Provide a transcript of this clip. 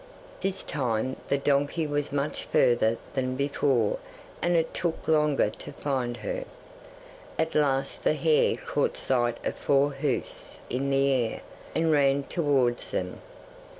'This time the donkey was much further than before, and it took longer to find her. At last the hare caught sight of four hoofs in the air, and ran towards them.